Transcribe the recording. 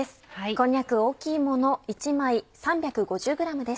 こんにゃく大きいもの１枚３５０ｇです。